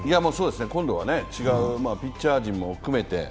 今度は違う、ピッチャー陣も含めて。